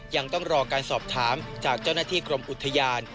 ยังต้องรอการสอบถามจากเจ้าหน้าที่กรมอุทยาน